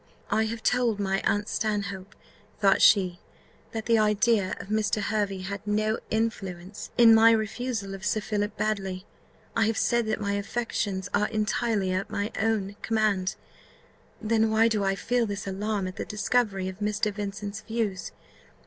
"I have told my aunt Stanhope," thought she, "that the idea of Mr. Hervey had no influence in my refusal of Sir Philip Baddely; I have said that my affections are entirely at my own command: then why do I feel this alarm at the discovery of Mr. Vincent's views?